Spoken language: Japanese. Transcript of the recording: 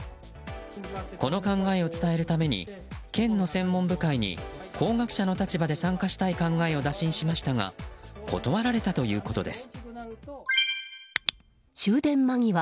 この考えを伝えるために県の専門部会に工学者の立場で参加したい考えを打診しましたが断られたということです。